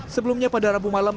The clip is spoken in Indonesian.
sebelumnya pada rabu malam